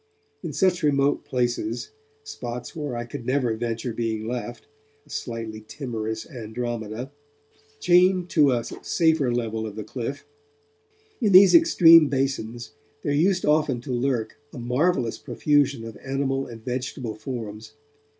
In such remote places spots where I could never venture being left, a slightly timorous Andromeda, chained to a safer level of the cliff in these extreme basins, there used often to lurk a marvellous profusion of animal and vegetable forms.